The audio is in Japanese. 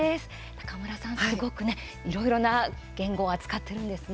高村さん、すごくね、いろいろな言語を扱ってるんですね。